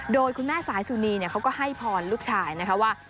โดยคุณแม่สายสุนีเขาก็ให้พรลูกชายนะคะว่า